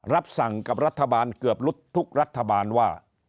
รับสั่งกับรัฐบาลเกือบทุกรัฐบาลว่า